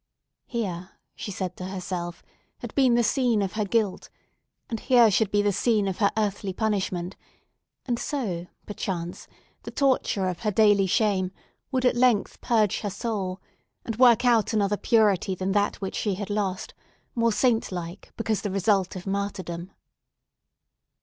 Here, she said to herself had been the scene of her guilt, and here should be the scene of her earthly punishment; and so, perchance, the torture of her daily shame would at length purge her soul, and work out another purity than that which she had lost: more saint like, because the result of martyrdom.